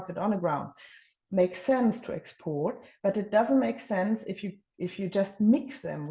jadi menggunakan tekstil tekstil kedua tangan yang bisa dipakai di pasar di tanah